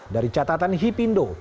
dari catatan hipindo